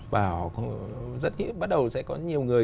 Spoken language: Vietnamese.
và bắt đầu sẽ có nhiều người